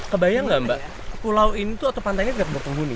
kebayang nggak mbak pulau ini tuh atau pantainya tidak berpenghuni